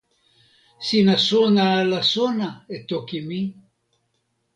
sina sona ala sona e toki mi?